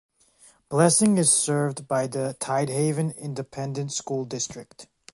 Blessing is served by the Tidehaven Independent School District.